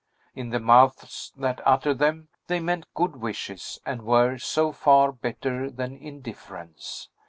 In the mouths that uttered them they meant good wishes, and were, so far, better than indifference.